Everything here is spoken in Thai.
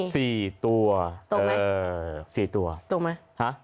สี่ตัวตรงไหมตรงค่ะสี่ตัว